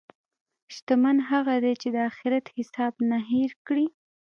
شتمن هغه دی چې د اخرت حساب نه هېر کړي.